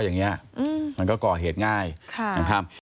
ง่ายครับ